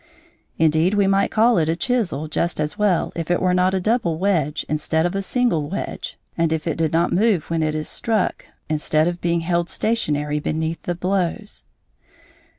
Indeed, we might call it a chisel just as well if it were not a double wedge instead of a single wedge and if it did not move when it is struck instead of being held stationary beneath the blows.